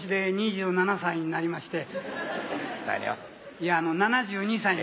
いや７２歳に。